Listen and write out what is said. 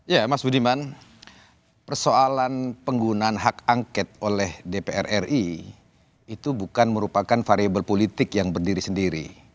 ya mas budiman persoalan penggunaan hak angket oleh dpr ri itu bukan merupakan variable politik yang berdiri sendiri